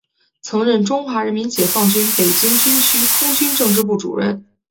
曾任中国人民解放军北京军区空军政治部主任。